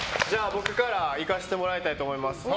僕からいかせてもらいたいと思います。